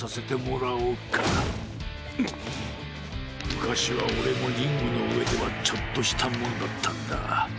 むかしはオレもリングのうえではちょっとしたもんだったんだ。